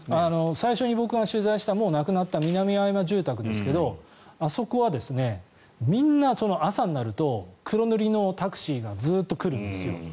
最初に僕が取材したもうなくなった南青山住宅ですがあそこはみんな朝になると黒塗りのタクシーがずっと来るんです。